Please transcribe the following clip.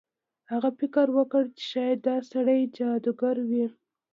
هغه فکر وکړ چې شاید دا سړی جادوګر وي.